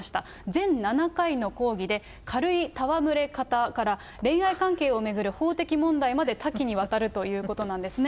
全７回の講義で軽い戯れ方から、恋愛関係を巡る法的問題まで、多岐にわたるということなんですね。